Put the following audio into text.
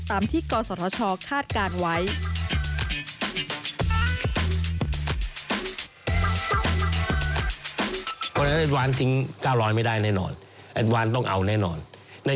ตามที่กศธชคาดการณ์ไว้